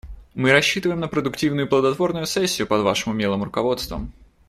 Мы рассчитываем на продуктивную и плодотворную сессию под вашим умелым руководством.